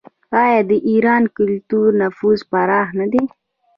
آیا د ایران کلتوري نفوذ پراخ نه دی؟